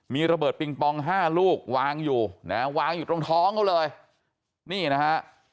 มีระเบิดปิงปองห้าลูกวางอยู่นะฮะวางอยู่ตรงท้องเขาเลยนี่นะฮะ